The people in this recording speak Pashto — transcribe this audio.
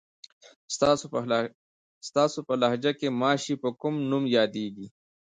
ستاسو په لهجه کې ماشې په کوم نوم یادېږي؟